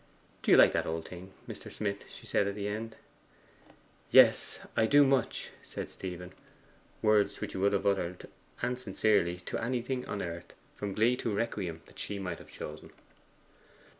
'Do you like that old thing, Mr. Smith?' she said at the end. 'Yes, I do much,' said Stephen words he would have uttered, and sincerely, to anything on earth, from glee to requiem, that she might have chosen.